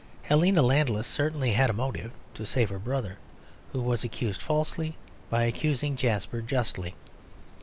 Helena Landless certainly had a motive; to save her brother, who was accused falsely, by accusing Jasper justly.